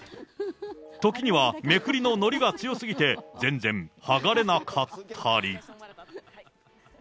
時には、めくりののりが強すぎて、全然剥がれなかったり。